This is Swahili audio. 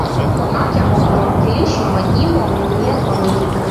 Wanawake ambao ni wawakilishi wa majimbo wameendelea kuaminika